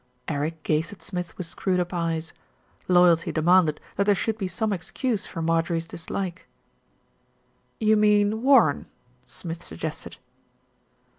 Eric gazed at Smith with screwed up eyes. Loyalty demanded that there should be some excuse for Mar jorie's dislike. "You mean Warren," Smith suggested.